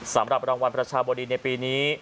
สำหรับรางวัลประชาบดีในปีนี้